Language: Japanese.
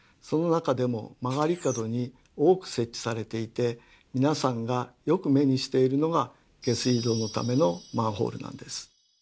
その中でも曲がり角に多く設置されていて皆さんがよく目にしているのが下水道のためのマンホールなんです。